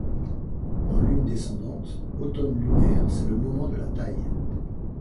En lune descendante, automne lunaire, c'est le moment de la taille.